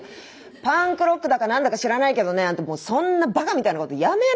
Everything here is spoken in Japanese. パンクロックだか何だか知らないけどねあんたもうそんなバカみたいなことやめなさい！